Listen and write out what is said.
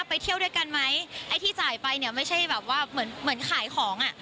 ไปเที่ยวด้วยกันไหมไอ้ที่จ่ายไปเนี่ยไม่ใช่แบบว่าเหมือนเหมือนขายของอ่ะ